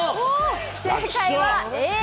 正解はＡ。